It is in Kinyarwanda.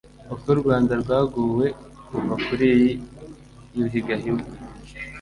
uko u rwanda rwaguwe kuva kuri yuhi gahima